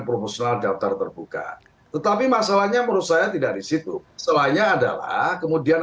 proporsional daftar terbuka tetapi masalahnya menurut saya tidak disitu selainnya adalah kemudian